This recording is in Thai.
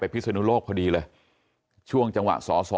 พอดีเลยช่วงจังหวะสอสอ